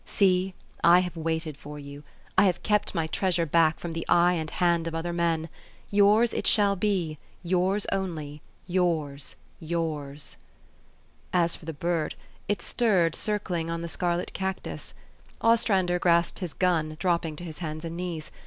See, I have waited for you. I have kept my treasure back from the eye and hand of other men. Yours it shall be, j^ours only, yours, yours !" As for the bird, it stirred circling on the scarlet 250 THE STORY OF AVIS. cactus. Ostrander grasped his gun, dropping to his hands and knees.